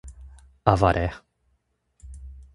Avaré